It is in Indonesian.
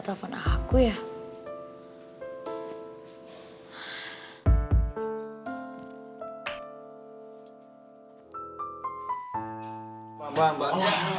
siapa tau bisa sukan dahar